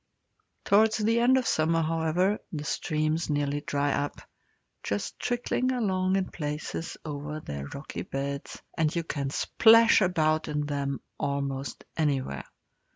Towards the end of summer, however, the streams nearly dry up, just trickling along in places over their rocky beds, and you can splash about in them almost anywhere.